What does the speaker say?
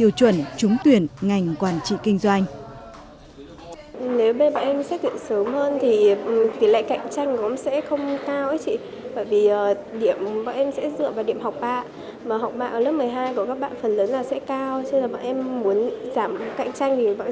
em tham gia xét tuyển sớm thì chắc chắn sẽ có một suất sớm để vào đại học hơn